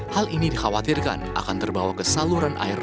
hal ini dikhawatirkan akan terbawa ke saluran air